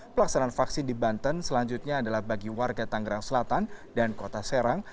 pelaksanaan vaksin di banten selanjutnya adalah bagi warga tangerang selatan dan kota serang